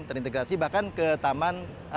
terintegrasi bahkan ke taman